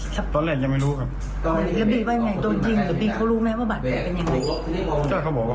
เขาถูกยิงเขาบอกดี